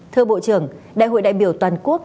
thưa bộ trưởng đại hội đại biểu toàn quốc